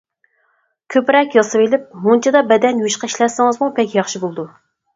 كۆپرەك ياسىۋېلىپ، مۇنچىدا بەدەن يۇيۇشقا ئىشلەتسىڭىزمۇ بەك ياخشى بولىدۇ.